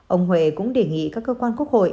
ông huệ cũng đề nghị các cơ quan quốc hội